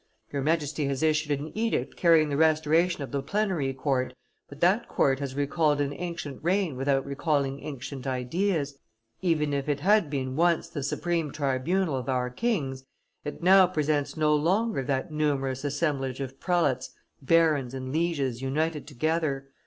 Your Majesty has issued an edict carrying the restoration of the plenary court, but that court has recalled an ancient reign without recalling ancient ideas. Even if it had been once the supreme tribunal of our kings, it now presents no longer that numerous assemblage of prelates, barons, and lieges united together.